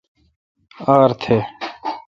ار تھ